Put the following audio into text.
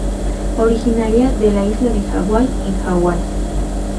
Originaria de la isla de Hawái en Hawái.